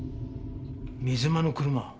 水間の車？